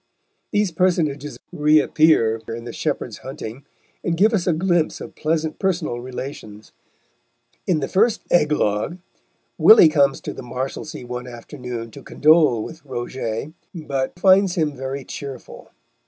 These personages reappear in The Shepherd's Hunting, and give us a glimpse of pleasant personal relations. In the first "eglogue," Willy comes to the Marshalsea one afternoon to condole with Roget, but finds him very cheerful.